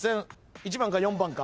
１番か４番か。